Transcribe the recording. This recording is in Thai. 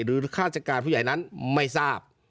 หรือฆาตการผู้ใหญ่นั้นไม่ทราบ